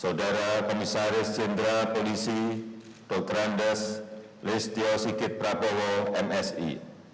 saudara komisaris jenderal polisi dr andes listio sigit prabowo msi